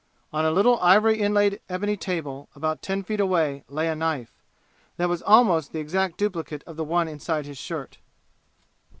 On a little ivory inlaid ebony table about ten feet away lay a knife, that was almost the exact duplicate of the one inside his shirt.